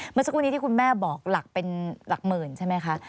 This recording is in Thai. เมื่อสักครู่นี้ที่คุณแม่บอกหลักเป็นหลักหมื่นใช่ไหมคะ